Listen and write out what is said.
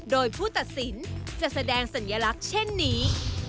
โดยผู้ตัดสินจะแสดงสัญลักษณ์เช่นนี้